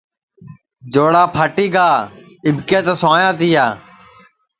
جوڑا پھاٹی گا آٻکے تو سوایا تیا